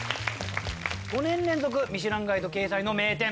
５年連続『ミシュランガイド』掲載の名店。